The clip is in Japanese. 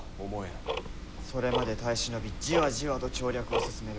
それまで耐え忍びじわじわと調略を進める。